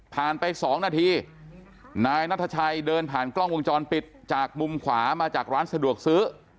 ไป๒นาทีนายนัทชัยเดินผ่านกล้องวงจรปิดจากมุมขวามาจากร้านสะดวกซื้อ